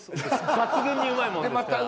抜群にうまいもんですから。